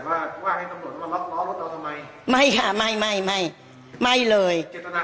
เพราะว่าให้ตำลวจมาล็อกล้อเราทำไมไม่ค่ะไม่ไม่ไม่ไม่เลย